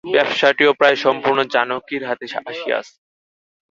ব্যাবসাটিও প্রায় সম্পূর্ণ জানকীর হাতে আসিয়াছে।